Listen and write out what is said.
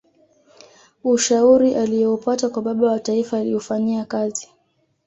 ushauri aliyoupata kwa baba wa taifa aliufanyia kazi